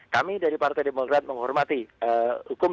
kami dari partai demokrat menghormati hukum